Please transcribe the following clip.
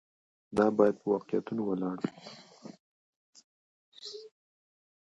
دا باید په واقعیتونو ولاړ وي.